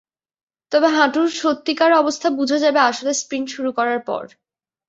তবে হাঁটুর সত্যিকার অবস্থা বোঝা যাবে আসলে স্প্রিন্ট শুরু করার পর।